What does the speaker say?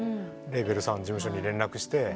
レーベルさん事務所に連絡して。